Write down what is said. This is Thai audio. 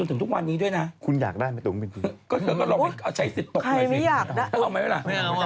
ทุกคนอยากได้หมดนั่นแหละ